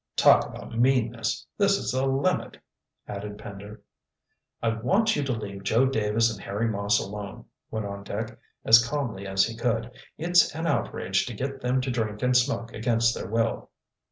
"Talk about meanness! This is the limit!" added Pender. "I want you to leave Joe Davis and Harry Moss alone," went on Dick, as calmly as he could. "It's an outrage to get them to drink and smoke against their will."